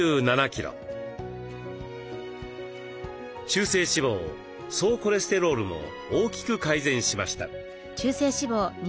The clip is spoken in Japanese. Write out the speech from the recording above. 中性脂肪総コレステロールも大きく改善しました。